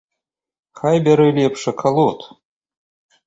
Хай бярэ лепш акалот.